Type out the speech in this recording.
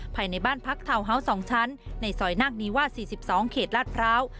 ภายในบ้านพักทาวน์ฮาวส์๒ชั้นในซอยนาคนีวาส๔๒เขตลาดพร้าว